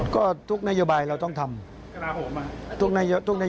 ก็ทุกนโยบายเราต้องทำ